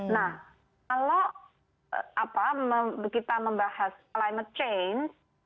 nah kalau kita membahas climate change